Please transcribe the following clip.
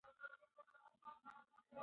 ناروغان له زیارتونو ګټه نه اخلي.